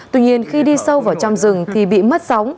tuy nhiên khi đi sâu vào trong rừng thì bị mất sóng